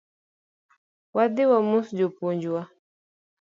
Wadhi wamos japuonj wa